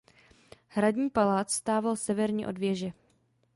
Hradní palác stával severně od věže.